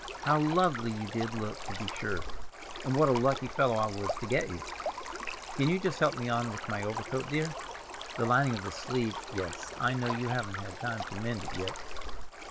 How lovely you did look, to be sure, and what a lucky fellow I was to get you! Can you just help me on with my overcoat, dear? The lining of this sleeve—Yes, I know you haven't had time to mend it yet.